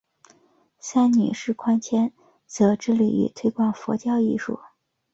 三女释宽谦则致力于推广佛教艺术。